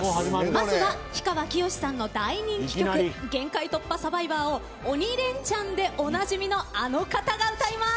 まずは氷川きよしさんの大人気曲「限界突破×サバイバー」を「鬼レンチャン」でおなじみのあの方が歌います。